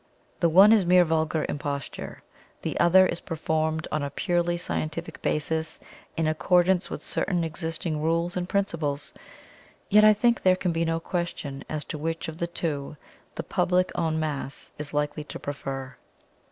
The one is mere vulgar imposture, the other is performed on a purely scientific basis in accordance with certain existing rules and principles; yet I think there can be no question as to which of the two the public en masse is likely to prefer.